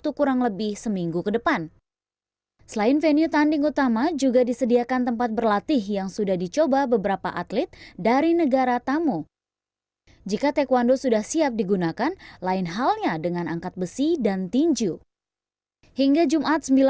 tim putih terbaik dari ketiga tim